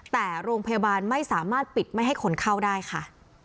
แต่โรงพยาบาลไม่สามารถปิดไม่ให้คนเข้าได้ค่ะ